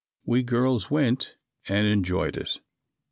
We girls went and enjoyed it.